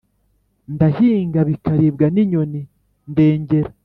ndahinga bikaribwa ni nyoni ndengera